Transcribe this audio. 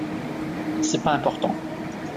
C'est pas important.